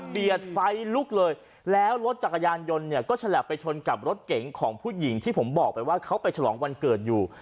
ไฟลุกเลยแล้วรถจักรยานยนต์เนี่ยก็ฉลับไปชนกับรถเก๋งของผู้หญิงที่ผมบอกไปว่าเขาไปฉลองวันเกิดอยู่